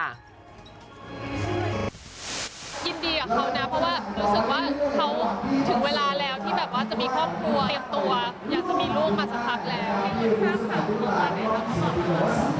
ยินดีกับเขานะเพราะว่าเห็นสึกว่าเขาถึงเวลาแล้ว